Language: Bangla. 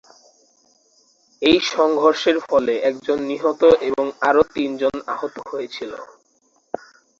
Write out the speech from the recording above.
এই সংঘর্ষের ফলে একজন নিহত এবং আরও তিন জন আহত হয়েছিল।